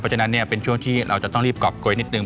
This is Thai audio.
เพราะฉะนั้นเนี่ยเป็นช่วงที่เราจะต้องรีบกรอกก๊วยนิดหนึ่ง